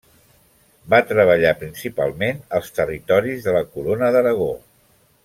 Va treballar principalment als territoris de la Corona d'Aragó.